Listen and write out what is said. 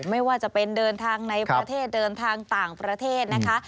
ไม่ว่าจะเป็นเดินทางในประเทศเดินทางต่างประเทศนะคะ